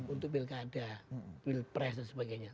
untuk pilkada pilpres dan sebagainya